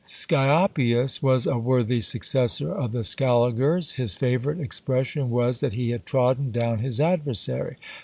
Scioppius was a worthy successor of the Scaligers: his favourite expression was, that he had trodden down his adversary.